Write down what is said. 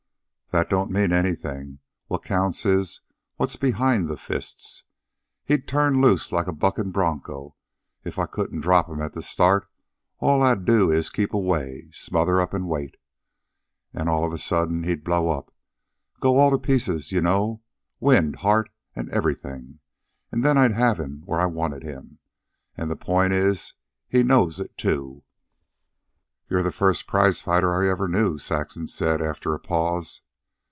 "That don't mean anything. What counts is what's behind the fists. He'd turn loose like a buckin' bronco. If I couldn't drop him at the start, all I'd do is to keep away, smother up, an' wait. An' all of a sudden he'd blow up go all to pieces, you know, wind, heart, everything, and then I'd have him where I wanted him. And the point is he knows it, too." "You're the first prizefighter I ever knew," Saxon said, after a pause.